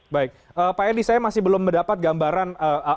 pak eli saya masih belum mendapat gambaran